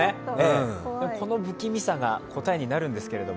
この不気味さが答えになるんですけど。